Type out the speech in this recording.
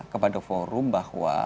kepada forum bahwa